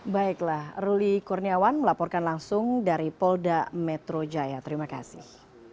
baiklah ruli kurniawan melaporkan langsung dari polda metro jaya terima kasih